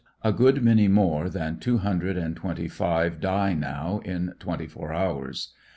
A good many more than two hun dred and twenty five die now in twenty four hours.